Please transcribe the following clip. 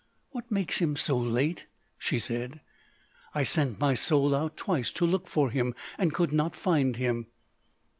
"What makes him so late?" she said.... "I sent my soul out twice to look for him, and could not find him."